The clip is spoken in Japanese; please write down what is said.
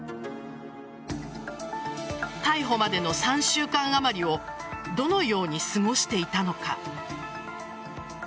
逮捕までの３週間あまりをどのように過ごしていたのか。